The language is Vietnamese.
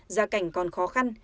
gia cảnh còn khó khăn